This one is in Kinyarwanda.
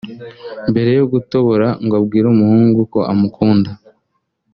Mbere yo gutobora ngo abwire umuhungu ko amukunda